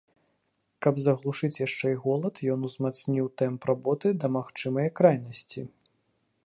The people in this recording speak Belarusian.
Каб заглушыць яшчэ і голад, ён узмацніў тэмпы работы да магчымае крайнасці.